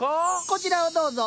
こちらをどうぞ。